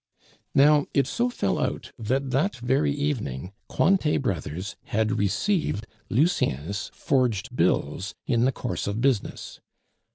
Now it so fell out that that very evening Cointet Brothers had received Lucien's forged bills in the course of business.